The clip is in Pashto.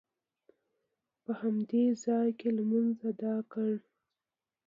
په همدې ځاې کې لمونځ ادا کړ.